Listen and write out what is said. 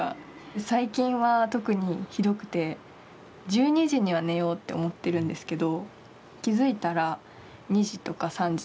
最近は特にひどくて１２時には寝ようと思ってるんですけど。